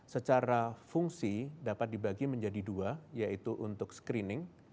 secara fungsi dapat dibagi menjadi dua yaitu untuk screening